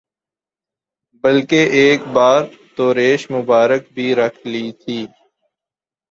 بلکہ ایک بار تو ریش مبارک بھی رکھ لی تھی